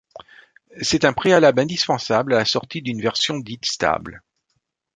C'est un préalable indispensable à la sortie d'une version dite stable.